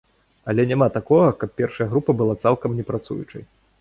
Але няма такога, каб першая група была цалкам не працуючай.